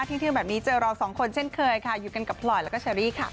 เที่ยงแบบนี้เจอเราสองคนเช่นเคยค่ะอยู่กันกับพลอยแล้วก็เชอรี่ค่ะ